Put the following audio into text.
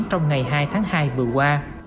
trong ngày hai tháng hai vừa qua